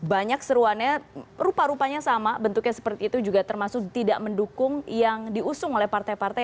banyak seruannya rupa rupanya sama bentuknya seperti itu juga termasuk tidak mendukung yang diusung oleh partai partai